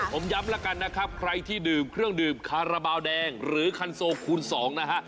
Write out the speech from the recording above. ผมย้ำแล้วกันนะครับใครที่ดื่มเครื่องดื่มคาราบาลแดงหรือคันโซคูณ๒นะฮะ